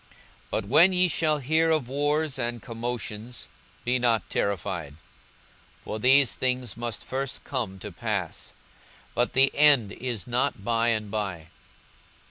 42:021:009 But when ye shall hear of wars and commotions, be not terrified: for these things must first come to pass; but the end is not by and by.